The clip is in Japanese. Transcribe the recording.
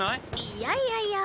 いやいやいや。